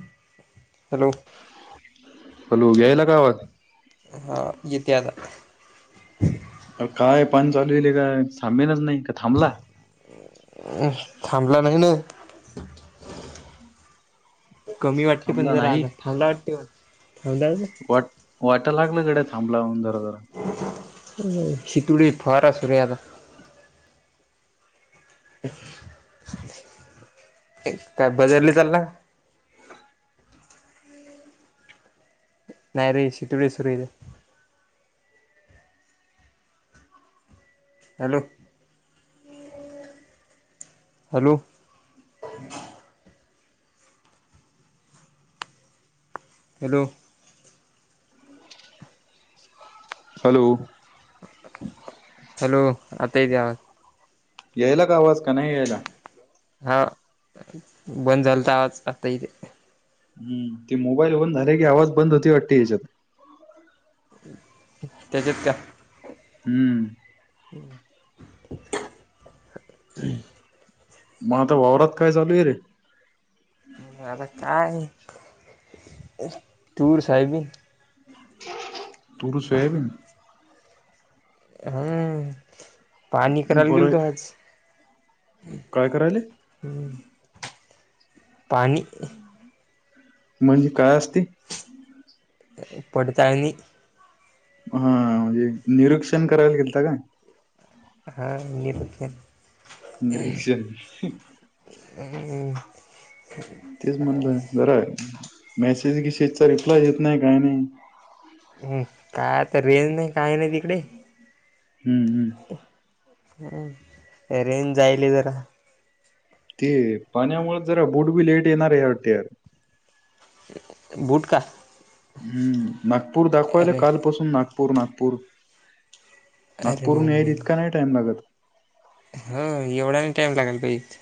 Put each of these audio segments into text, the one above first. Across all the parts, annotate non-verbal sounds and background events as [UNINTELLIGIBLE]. [INAUDIBLE] Hello! Hello! गेयाला का आवाज? हा, येते आता. अर काय पाणी चालू ऐलेका? थांबेलच नाही, का थांबला? थांबला नाही ने. कमी वाटते पण थांबला जरा नाही आज, थांबला वाटते. थांबला वाट, वाटाला लागलं गड्या थांबलाय, म्हणुन जरा जरा. [INAUDIBLE] [INAUDIBLE] काय बाजारले चालला? नाही रे, [INAUDIBLE] hello! Hello. Hello. Hello. Hello, आता येते आवाज? यायला का आवाज, का नाय यायला? हा, बंद झालंता आवाज आता येतें. हम्, ते मोबाईल बंद झाले की, आवाज बंद होते वाटत येच्यात. तेच्यात का? हम्म. मग आता वावरात काय चालू हे रे? आता काय तूर, सोयाबीन. तूरं, सोयाबीन हं, पाहणी करायला बरं गेलतो आज. काय करायले? [INAUDIBLE] पाहणी म्हणजे काय असते? पडताळणी. हा म्हणजे निरीक्षण करायला गेलता का? हा निरीक्षण. निरीक्षण. [UNINTELLIGIBLE] तेच म्हणलं जरा मेसेज गिसेजचा रिप्लाय येत नाय काय नाय. हम्म काय आता रेंज नाही काय नाही तिकडे. हम्म हम्म. हं रेंज जायले जरा. ते पाण्यामुळेच जरा बुटबी लेट येणारे वाटते यार. बुट का? हम्म नागपूर दाखवायला अरे कालपसून नागपूर नागपूर. अरे नागपूर हून यायला इतका नाही टाइम लागत. ह एवढा नाही टाइम लागायला पाहिजे.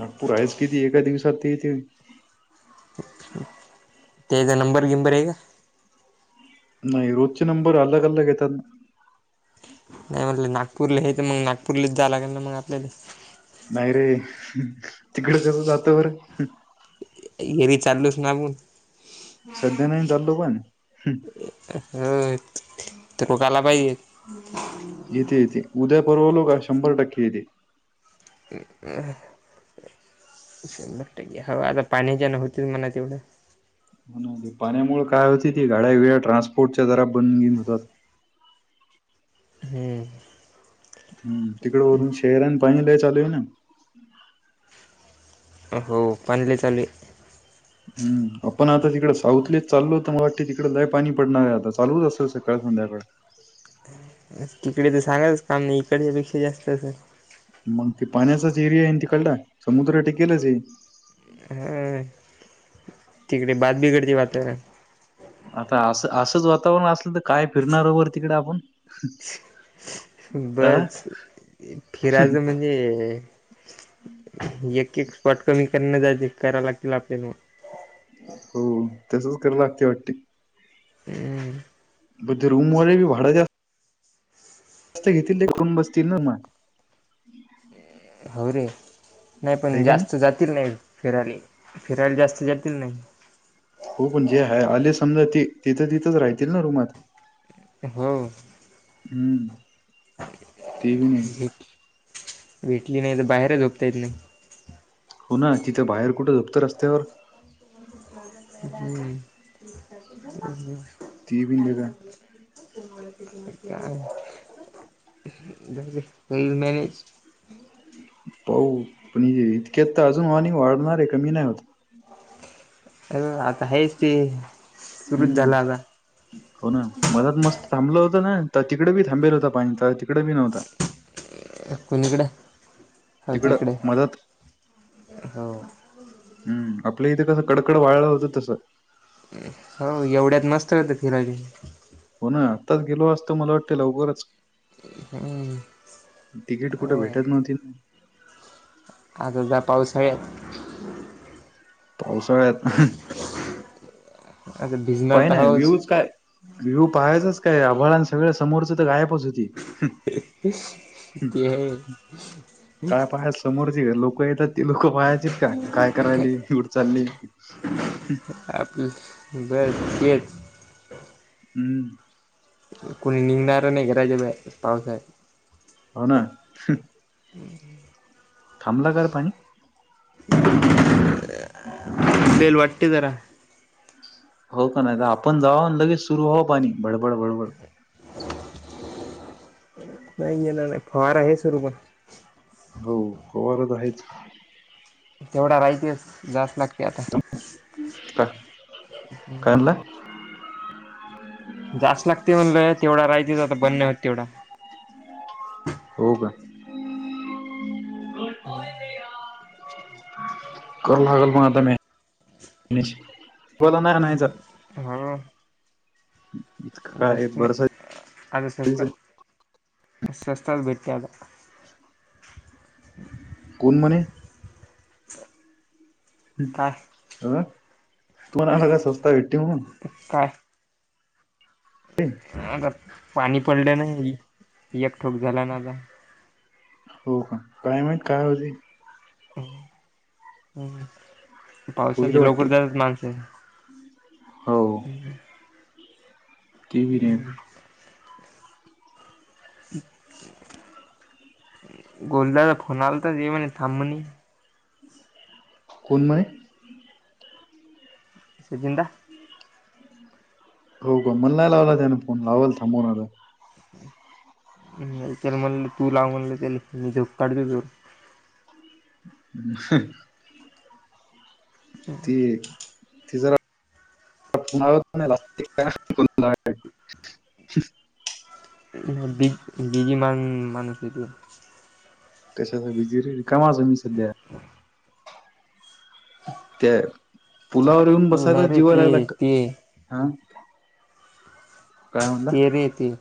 नागपूर हायेच किती? एका दिवसात तर येतेन. तेचा नंबर बिंबर आहे का? नाही रोजचे नंबर अलग अलग येतात ना? नाही म्हणल नागपूरलेय त मग नागपूरलाच जायला लागेल ना आपल्याला. नाही रे. तिकडं कस जातो बर. येरी चाललोच ना मंग. सध्या नाही ना चाललो पण. होय. तरोक आला पाहिजे. येते येते. उद्या परवलोका शंभर टक्के येते. शंभर टक्के, हवा आता पाण्याच्यान होत म्हणा तेवढं. पाण्यामुळे काय होती. ती गाड्या बिड्या ट्रान्सपोर्टच्या जरा बंद बिंद होतात. ह. हम्म तिकडे वरून शहरांना पाणी लई चालूय ना. हो पाणी लई चालूय. हम्म आपण आता तिकडं साऊथलेच चालो त मला वाटते तिकडं लई पाणी पडणारे आता. चालूच असेल सकाळ संध्याकाळ. [UNINTELLIGIBLE] तिकडे तर सांगाचच काम नाही. इकडच्यापेक्षा जास्त असल. मंग ते पाण्याचाच एरियाय नं तिकडला. समुद्र टिकेलचे. हा तिकडे बाद बीघडती वाटत. आता असं असंच वातावरण असलं, तर काय फिरणार वर तिकड आपण. अ? बस फिराच म्हणजे एक एक स्पॉट कमी करण जाय करा लागतील आपल्याला मग. हो तसच कराव लागतंय वाटते. ह [INAUDIBLE] ब ते रूम वाले भी भाड जास्त तीथ घेतील ते धरून बसतील ना म. होय रे. नाही आहे पण का जास्त जातील नाही. फिरायले, फिरायला जास्त जातील नही. हो पण जे आहे, आले समजा, ते, तें तर तिथंच रायतील ना, रूमात? हम. हम्म. [UNINTELLIGIBLE] भेटली नाही, तर बाहेर हीं, झोपता येत नाही. हो ना, तिथं बाहेर कुठं झोपत, रस्त्यावर? [INAUDIBLE] [INAUDIBLE] काय ते बी नाही का. जाऊदे, मला नाय यायचं. पाऊ, पण हे इतक्यात त, अजून पाणी वाढणार ये, कमी नाही होत. [UNINTELLIGIBLE] आता हायच ते. सुरूच हम्म. झाला आता हो ना, मधात मस्त थांबलं होतं ना, तर तिकड बी थांबेल होता पाणी, त तिकडे बी नव्हता? कुणी कड? तिकडं, मधात. हो हम्म, आपल्या इथ कसं, कडकड वाळल होतं, तसं. हो, एवढ्यात मस्त होत, फिराय हो ना, आत्ताच गेलो असतो, मला वाटत लवकरच तिकीट, कुठ हो भेटत नव्हती न आज आता, पाऊस आहे. पावसाळ्यात, हम्म. आता भिजणार पाहि तर ना, हवंच व्ह्यूज काय, व्ह्यू पहायचंच काय? आभाळान सगळं समोरचं त, गायबच होते. हं, हं ते आहे काय पाहायच? समोरची लोकं येतात, ती लोकं पाहायचीत का? काय करायले, कुठं चालली? [UNINTELLIGIBLE] बर तेच. हम्म. कोणी निंगनार नाही, घराच्या बाहेर, पावस हाय. हो ना. ह् [UNINTELLIGIBLE] थांबला का र, पाणी? बेल वाटते, जरा. हो का, नही त आपण जावू आणि लगेच सुरू व्हावं पाणी, भडभड -भडभड. नाही येणारे ना, फवारा आहे सुरू पण हो, फवारा त आहेच. तेवढा राहायतेच, जात नसते आता. का, काय आणला? जायच लागते म्हणलं, तेवढा राहितेच आता, बंद नाय होत तेवढा. हो का? हम्म. [UNINTELLIGIBLE] कल लागलं म, आता मॅ-मॅच? हा. इतकं काय जास्त नाय, बरसात अज स्वस्त, स्वस्तात भेटतय आता. कोण म्हणे? तर- [UNINTELLIGIBLE] अ, तुम्हला आला का, सवस्ता भेट्टी म्हणून काय? [UNINTELLIGIBLE] अग पाणी पडलं नाही एकठोक झाला ना आता. हो का कायम आहेत काय होते. ह हम. होईल पावसाची लवकर वाटते जातात माणसे. हो ती बी नाही हम्म. गोलद फोन आला तरच म्हणे थांबणी. कोणमय? स जिंददा. हो का मला नाही लावला त्याने फोन लावावला थबवणार. त्या म्हणल तू लाव म्हणलं त्या मी झोप काढते. ह. ती. ती जरा. [UNINTELLIGIBLE] ब बघी म मणूचीेत. कशाच विजरी रिकमाज मी सध्या. ह. त्या पुलावर येऊन बसायचा रे जीवा ते रायला. ते हा. काय म्हणला ते बी येतील.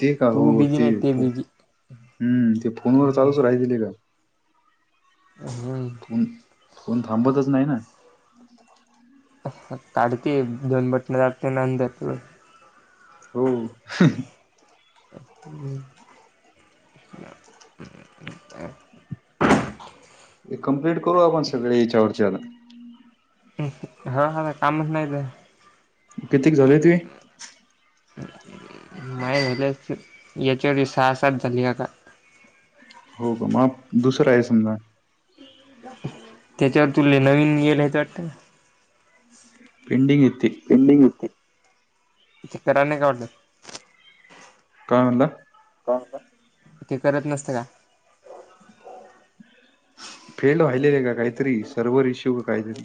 ते का हो बिझी ते नाही बिझी हम् ते फोनवर चालूच राहितील का? हम. फोन फोन थांबतच नाही ना. काढते दोन बटन लाटते नंतर हो. हम. अ हम्म. हे कम्प्लीट करू आपण सगळे याच्यावरच्या ह ह हा हा कामच नाहीत तर. कितीक झाली तु्? माय झालं याच्यावर सहा, सात झाली का का? हो ग मग दुसरा आहे समजा त्याच्यावर तु नवीन येलच वाटतं. पेंडिंग इेत. पंडिंग चकने का. [UNINTELLIGIBLE] काय म्हणत? [UNINTELLIGIBLE] ते करत नसतं का? फेल वाहिलेले आहे का काहीतरी सर्वर इश्यू काहीतरी.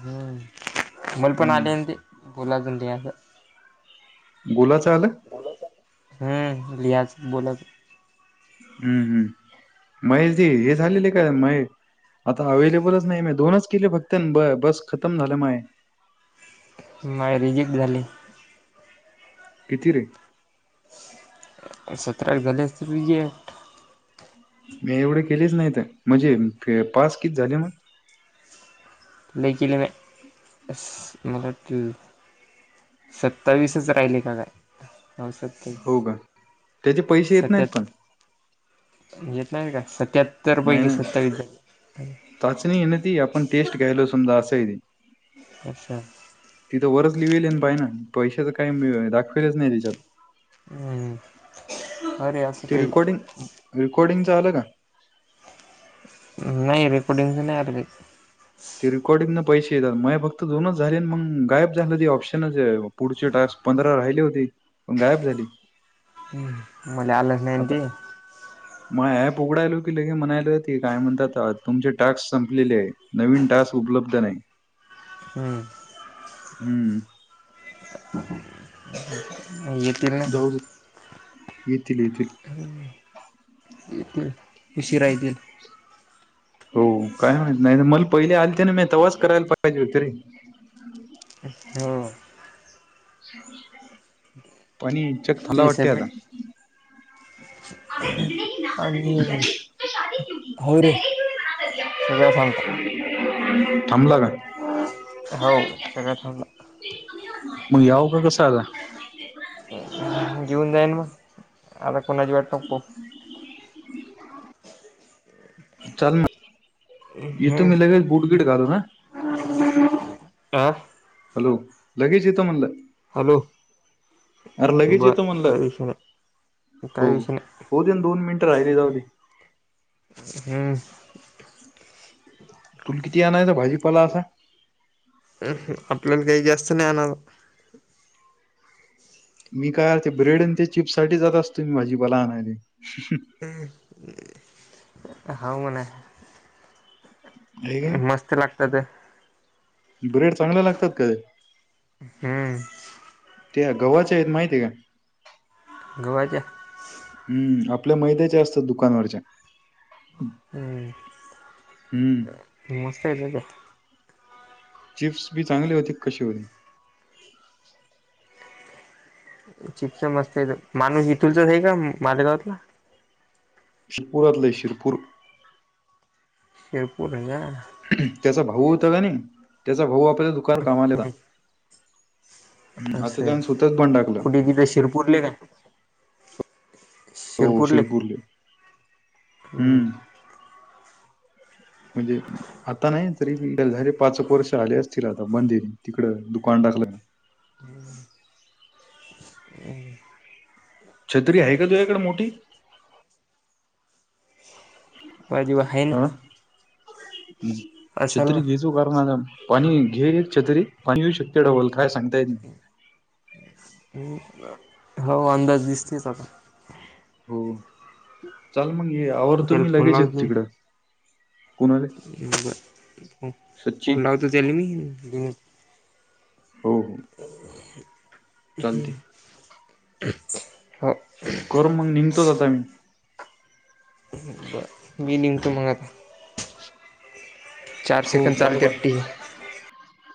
हम् मल पण आले हम्म ते बोलाजून तें. गोलाचं आलं. गोलाच हम्म लिहाच बोलत. हम्म, हम्म महेशजी हे झालेले आहे का महेश? आता अवेहेलेबलच नाही म दोनच केले फक्त ब बस खतम झालं माय. माझ रिजेक्ट झाली. किती रे? सतरा असतील रिजेक्ट. मी एवढे केलेच नाहीये ते म्हणजे पास किती झाले मग? लय केले म्या अस मला वाटते. सत्तावीसच राहिले का काय? हो सत्तावीस हो का, त्याचे पैसे येत नाहीत सत्यात पण. येत नाही का? सत्यातर नाही पैकी ना सत्तावीस झाले. चाचणी आहे ना ती आपण टेस्ट घ्यायल समजा असं आहे ते. अच्छा तिथं वरच लिवेल ये पाय ना पैसेच काय मेळ दाखवेलच नाही तेच्यात. हम्म अरे ते काही रिकॉर्डिंग रिकॉर्डिंगच आलं का? नाही रेकॉर्डीिंगचं नाही आल काही ते रेकॉर्डिंग न पैसे येतात मय फक्त दोनच झाले अन् मग गायब झालं ते ऑप्शनच पुढचे टास्क पंधरा राहिले होते पण गायब झाले. हम्म मला आलं आता ह मये हॅप उघडायलो की लगे म्हणायल ते काय म्हणतात तुमचे टास्क संपलेले ये. नवीन टास्क उपलब्ध नाही. हम्म हम्म [UNINTELLIGIBLE] जाऊ दे, येतील येतील. येतील उशिरा येतील. हो काय माहिती नाहीत मल पहिले आलते न म्या तवाच करायल पाहिजे होते रे. हो पणी [UNINTELLIGIBLE] ते वाटते सबमिट आता अगर इतने ही ना पसंद है आणि जिजाजी तो शादी क्यू की पहिले क्यू नही मना सगळ्या सांगता थांबला का? हाव सगळ्या थांबला. मग याव का कसं आता? हो जीऊन जाय न मग आता कोणाची वाट नको पाहू. चाल म हम्म यतो मी लगेच बुटगिट घालून अ आ हॅलो लगेच येतो म्हटलं. हॅलो बर येतो काही म्हणलं विषय नाही. हो काही विषय होऊ दे ना दोन मिनिटं राहिले नाही जाऊ बरं, दे हम्म तुल किती आणायचा भाजीपाला असा? आपल्याला काही जास्त नाही आणायचा. मी काय अर ते ब्रेड आणि ते चिप्स साठी जात असतो मी भाजी पाला आणायले. हम्म हाव म्हणा आहे का मस्त लागतात. ब्रेड चांगले लागतात काय? हम्म ते गव्हाचे आहेत माहितीय का? गव्हाच्या हम्म आपल्या मैद्याच्या असतात दुकानवरच्या. हम्म, हम्म मस्त येत काय? चिप्स बी चांगले होते कसे. चिप्स मस्त आहे माणूस इथुलच आहे का माले गावातला? शिपुरातल शिरपूर. शेरपूर ह्या. त्याचा भाऊ होता का नाही, त्याचा भाऊ आपल्या कर कामाला, हम् आता तेथे स्वतः [UNINTELLIGIBLE] टाकल. तीरपुरले काय? शिरपूरले? हम्म. म्हणजे आता नाही तरी बी, तेला झाले पाच वर्ष झाले असतील आता बंदे तिकडं दुकान टाकलं. हम्म. हम्. छत्री आहे का तूझ्याकडे मोठी? [UNINTELLIGIBLE] आहे ना हम् असाल छत्री बिझ ना [UNINTELLIGIBLE] आणि एक घे छतरी पाणी शक्य डवाल काय सांगता येत नाही. हो अंदाज दिसतेच आता. हो चाल मग ये आवरतो त्याला मी लगेच येतो तिकडं. कुणाले मग, सच्ची? फोन लावतो त्याला मी. हो हो. चालते. हम्. कर मग निघतोच आता मी. बर मी निघतो मग आता. चार हो, सेकेड बाय, बाय. चालतात की.